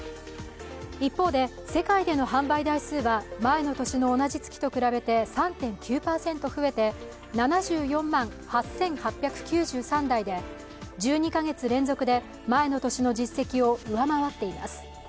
一方で世界での販売台数は前の年の同じ月に比べて３．９％増えて７４万８８９３台で１２カ月連続で前の年の実績を上回っています。